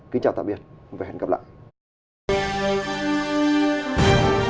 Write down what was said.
kính chào tạm biệt và hẹn gặp lại